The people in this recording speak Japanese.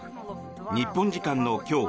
日本時間の今日